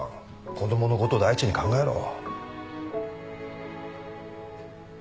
子供の事を第一に考えろ。